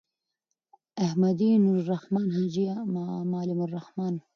احمدی.نوالرحمن.حاجی معلم الرحمن